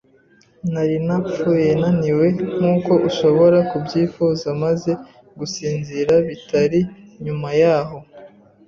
Nari napfuye naniwe, nkuko ushobora kubyifuza; maze gusinzira, bitari nyuma yaho